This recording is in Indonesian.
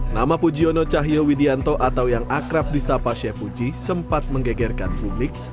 nama pujiono cahyo widianto atau yang akrab di sapa sye puji sempat menggegerkan publik